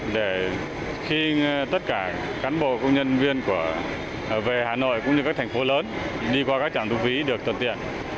để khi tất cả cán bộ công nhân viên về hà nội cũng như các thành phố lớn đi qua các trạm thu phí được thuận tiện